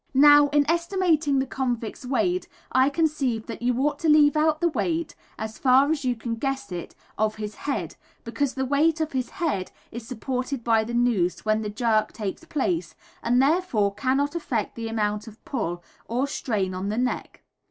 Now, in estimating the convict's weight, I conceive that you ought to leave out the weight (as far as you can guess it) of his head, because the weight of his head is supported by the noose when the jerk takes place, and, therefore, cannot affect the amount of pull, or strain, on the neck.